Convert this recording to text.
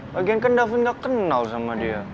lagian kan daffin gak kenal sama dia